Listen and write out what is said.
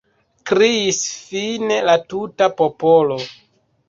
kriis fine la tuta popolo.